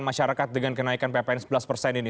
masyarakat dengan kenaikan ppn sebelas persen ini